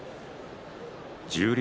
十両